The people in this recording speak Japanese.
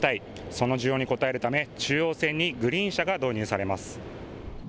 その需要に応えるため中央線にグリーン車が導入されます。